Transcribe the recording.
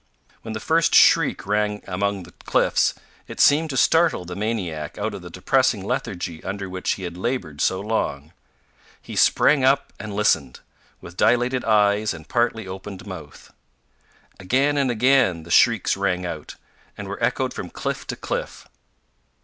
When the first shriek ran among the cliffs, it seemed to startle the maniac out of the depressing lethargy under which he had laboured so long. He sprang up and listened, with dilated eyes and partly open mouth. Again and again the shrieks rang out, and were echoed from cliff to cliff.